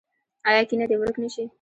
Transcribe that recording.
آیا کینه دې ورک نشي؟